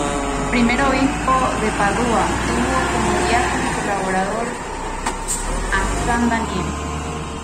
Primer obispo de Padua, tuvo como diácono y colaborador a san Daniel.